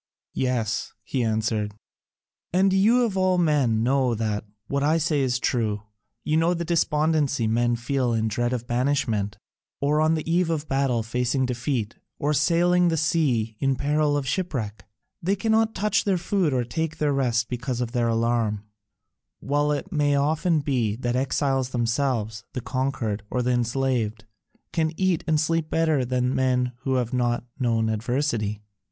"Yes," he answered, "and you of all men know that what I say is true: you know the despondency men feel in dread of banishment, or on the eve of battle facing defeat, or sailing the sea in peril of shipwreck they cannot touch their food or take their rest because of their alarm: while it may often be that the exiles themselves, the conquered, or the enslaved, can eat and sleep better than men who have not known adversity.